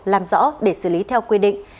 làm rõ để xử lý theo quy định